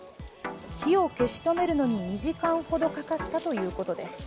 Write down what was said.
火を消し止めるのに２時間ほどかかったということです。